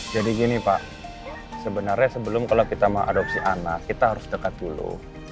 jadi gini pak sebenarnya sebelum kalau kita mau mengadopsi anak kita harus dekat dulu